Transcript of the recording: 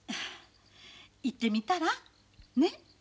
行ってみたら？ね？